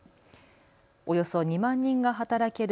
およそ２万人が働ける